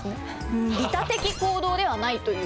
うん利他的行動ではないという。